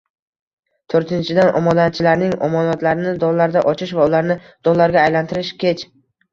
To'rtinchidan, omonatchilarning omonatlarini dollarda ochish va ularni dollarga aylantirish kech